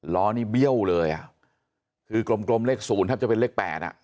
ล้อนี่เบี้ยวเลยอ่ะคือกลมเลข๐แทบจะเป็นเลข๘อ่ะ